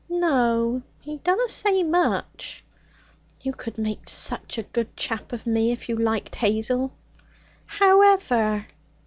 'No. He dunna say much.' 'You could make such a good chap of me if you liked, Hazel.' 'How ever?'